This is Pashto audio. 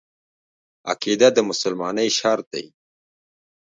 عقیده د مسلمانۍ شرط دی.